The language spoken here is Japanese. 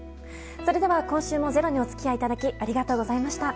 それでは今週も「ｚｅｒｏ」にお付き合いいただきありがとうございました。